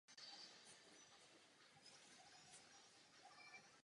Pěstuje se zde červené víno a jako v celém Spojeném království chovají ovce.